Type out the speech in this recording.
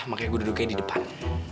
makanya gue duduk aja di depan